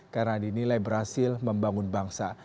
karena dinilai berhasil membangun bangsa